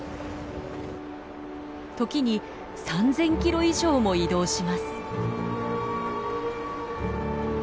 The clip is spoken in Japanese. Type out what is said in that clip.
時に３，０００キロ以上も移動します。